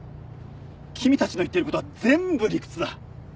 君たちの言ってることは全部理屈だ。